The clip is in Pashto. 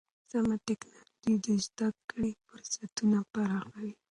سمه ټکنالوژي د زده کړې فرصتونه پراخوي.